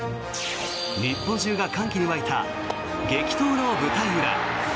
日本中が歓喜に沸いた激闘の舞台裏。